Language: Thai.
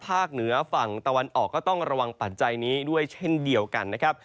เหนือฝั่งตะวันออกก็ต้องระวังปัจจัยนี้ด้วยเช่นเดียวกันนะครับ